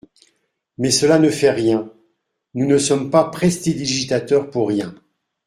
Mais cela ne fait rien, nous ne sommes pas prestidigitateur pour rien.